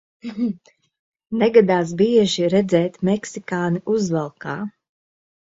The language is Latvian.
Negadās bieži redzēt meksikāni uzvalkā.